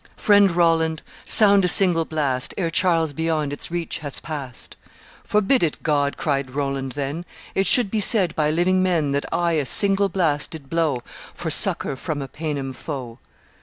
'Friend Roland, sound a single blast Ere Charles beyond its reach hath passed.' 'Forbid it, God,' cried Roland, then, 'It should be said by living men That I a single blast did blow For succor from a Paynim foe!